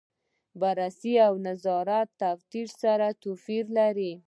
بررسي او نظارت او تفتیش سره توپیر لري.